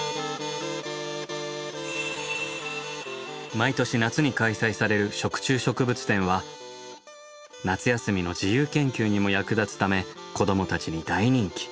毎年夏に開催される食虫植物展は夏休みの自由研究にも役立つため子どもたちに大人気。